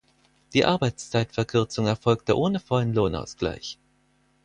Die Arbeitszeitverkürzung erfolgte ohne vollen Lohnausgleich.